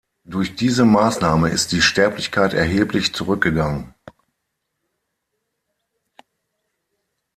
Durch diese Maßnahme ist die Sterblichkeit erheblich zurückgegangen.